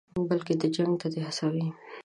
بلکې جنګ ته دې هڅوي.